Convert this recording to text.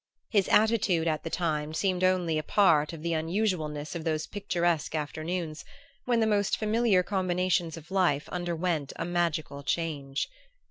His attitude, at the time, seemed only a part of the unusualness of those picturesque afternoons, when the most familiar combinations of life underwent a magical change.